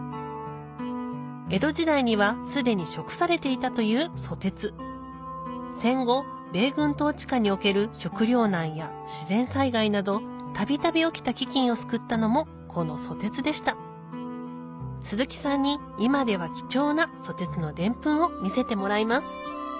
江戸時代には既に食されていたというソテツ戦後米軍統治下における食糧難や自然災害などたびたび起きた飢饉を救ったのもこのソテツでした鈴木さんに今では貴重なソテツのデンプンを見せてもらいます